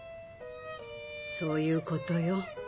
そういうことよ。